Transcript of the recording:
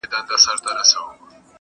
د کابل تصوېر مي ورکی په تحفه کي ,